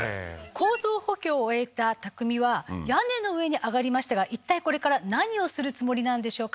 構造補強を終えた匠は屋根の上に上がりましたがいったいこれから何をするつもりなんでしょうか？